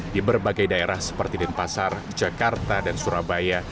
di berbagai daerah seperti denpasar jakarta dan surabaya